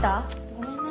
ごめんね。